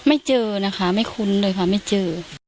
ไม่เจอนะคะไม่คุ้นเลยค่ะไม่เจอ